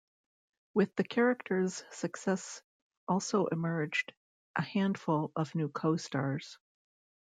With the character's success also emerged a handful of new costars.